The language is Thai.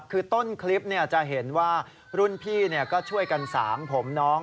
คือต้นคลิปจะเห็นว่ารุ่นพี่ก็ช่วยกันสางผมน้อง